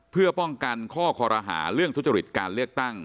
เพื่อป้องกันข้อคอรหาเรื่องทุจริตการเลือกตั้ง